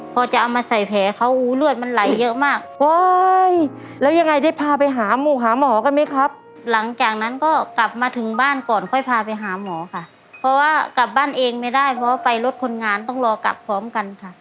พ่อจะเอามาใส่แผลเขาอู้ยเลือดมันไหลเยอะมาก